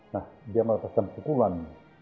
nah dia melakukan pukulan